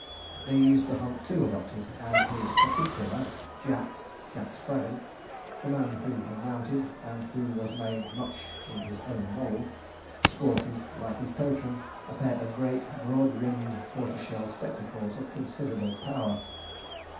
These the hunt too adopted; and his 'particular,' Jack (Jack Spraggon), the man whom he mounted, and who was made much in his own mould, sported, like his patron, a pair of great broad rimmed, tortoise shell spectacles of considerable power.